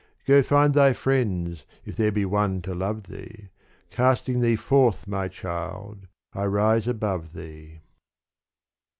Go find thy friends if there be one to love thee : Casting thee forth, ray child, I rise above thee.